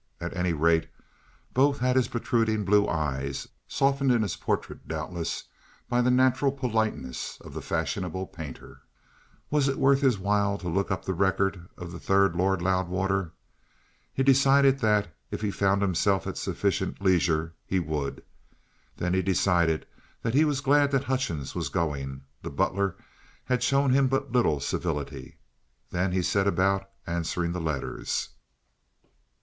At any rate, both had his protruding blue eyes, softened in his portrait doubtless by the natural politeness of the fashionable painter. Was it worth his while to look up the record of the third Lord Loudwater? He decided that, if he found himself at sufficient leisure, he would. Then he decided that he was glad that Hutchins was going; the butler had shown him but little civility. Then he set about answering the letters.